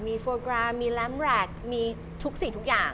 มีฟอร์โกรามมีลเอมพ์แหลกมีทุกสีทุกอย่าง